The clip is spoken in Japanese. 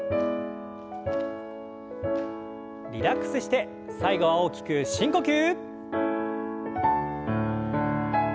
リラックスして最後は大きく深呼吸。